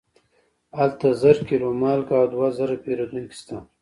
هلته زر کیلو مالګه او دوه زره پیرودونکي شته.